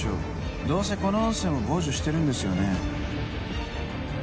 どうせこの音声も傍受してるんですよね？